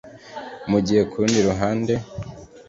mu gihe ku rundi ruhande